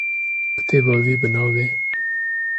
Kitêba wî bi navê